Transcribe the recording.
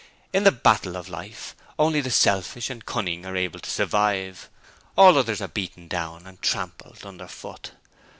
In the 'Battle of Life' only the selfish and cunning are able to survive: all others are beaten down and trampled under foot.